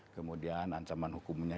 kemudian ancaman hukumnya